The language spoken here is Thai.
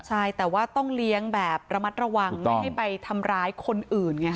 ใช่แต่ว่าต้องเลี้ยงแบบระมัดระวังไม่ให้ไปทำร้ายคนอื่นไง